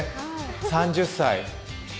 ３０歳。